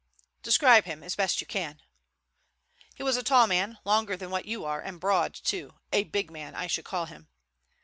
"Describe him as best you can." "He was a tall man, longer than what you are, and broad too. A big man, I should call him."